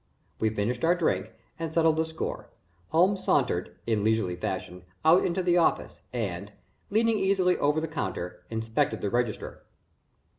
We finished our drink and settled the score. Holmes sauntered, in leisurely fashion, out into the office, and, leaning easily over the counter, inspected the register.